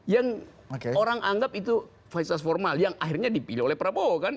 yang orang anggap itu fasilitas formal yang akhirnya dipilih oleh prabowo kan